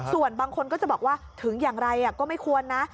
ส่วนบางคนก็จะบอกว่าถึงอย่างไรก็ไม่ควรนะ